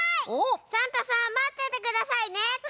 サンタさんまっててくださいね！